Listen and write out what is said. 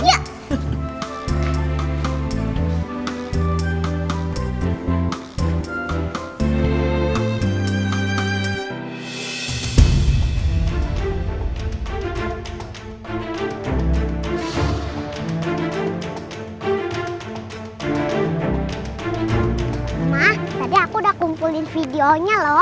mama tadi aku udah kumpulin videonya loh